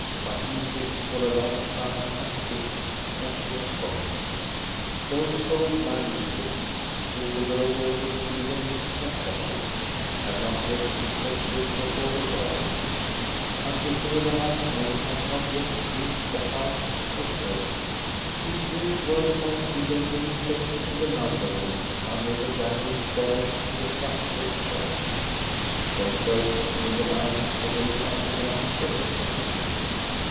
But he sits for a long time and thinks, when she has gone. 26 402 THE STORY OF GOSTA BERLING. Those old manuscripts, scribbled over with heath enish confessions, have not yet been tested before the world. Uncle Eberhard's name has not yet reached the heights of fame. His great work lies hidden in a chest in the lumber room under the gallery stairs in the Svartsjo church ; it shall first see the light of day at the end of the century.